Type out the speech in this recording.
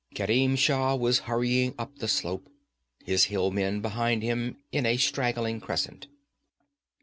Kerim Shah was hurrying up the slope, his hill men behind him in a straggling crescent.